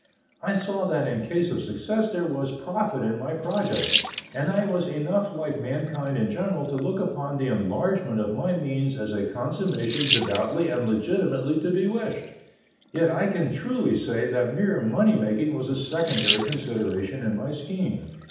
I saw that in case of success there was profit in my project, and I was enough like mankind in general to look upon the enlargement of my means as a consummation devoutly and legitimately to be wished. Yet, I can truly say that mere money making was a secondary consideration in my scheme.